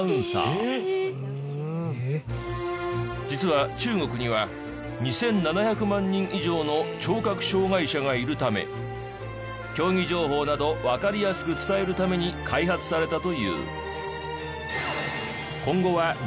実は中国には２７００万人以上の聴覚障害者がいるため競技情報などわかりやすく伝えるために開発されたという。